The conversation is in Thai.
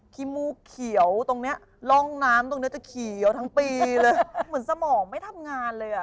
พิมูเขียวตรงนี้ลองน้ำตรงนี้เฉียวทั้งปีเลย